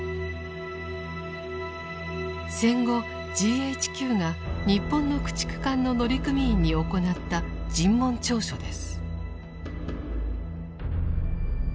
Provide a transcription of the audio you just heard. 戦後ＧＨＱが日本の駆逐艦の乗組員に行った尋問調書です。